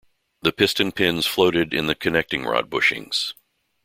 The piston pins floated in the connecting rod bushings.